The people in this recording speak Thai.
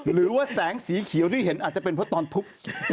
หรือว่าแสงสีเขียวที่เห็นอาจจะเป็นเพราะตอนทุบ